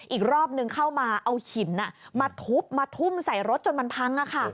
อีกรอบหนึ่งเข้ามาเอาขินมาทุบใส่รถจนมันพัง